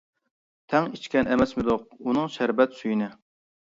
تەڭ ئىچكەن ئەمەسمىدۇق، ئۇنىڭ شەربەت سۈيىنى.